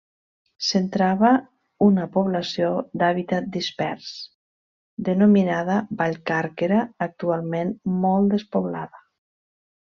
Centrava una població d'hàbitat dispers, denominada Vallcàrquera, actualment molt despoblada.